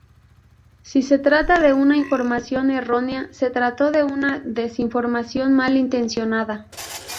Si se trata de una información errónea, se trató de una desinformación mal intencionada".